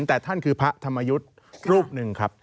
แต่ท่านคือพระธรรมยุทธ์รูปหนึ่งครับ